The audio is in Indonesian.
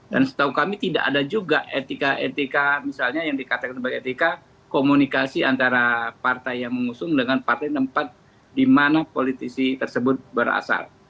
dan setahu kami tidak ada juga etika etika misalnya yang dikatakan sebagai etika komunikasi antara partai yang mengusung dengan partai tempat di mana politisi tersebut berasal